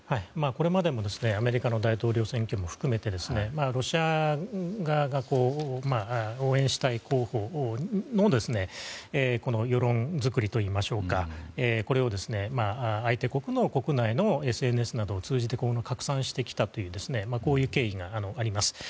これまでもアメリカの大統領選挙も含めてロシア側が応援したい候補の世論作りといいましょうかこれを、相手国の国内のＳＮＳなどを通じて拡散してきたという経緯があります。